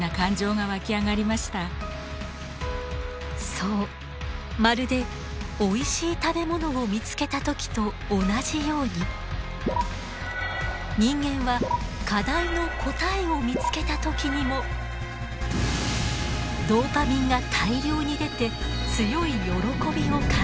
そうまるでおいしい食べ物を見つけた時と同じように人間は課題の答えを見つけた時にもドーパミンが大量に出て強い喜びを感じる。